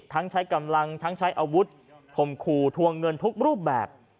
ทั้งใช้กำลังทั้งใช้อาวุธคมคู่ทวงเงินทุกรูปแบบ